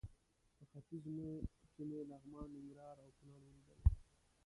په ختیځ کې مې لغمان، ننګرهار او کونړ ولیدل.